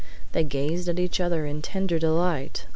They gazed at each other in tender delight.